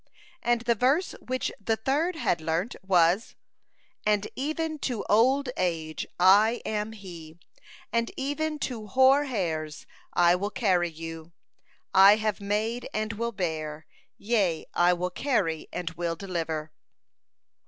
And the verse which the third had learnt was: "And even to old age I am He, and even to hoar hairs I will carry you: I have made and will bear; yea, I will carry and will deliver."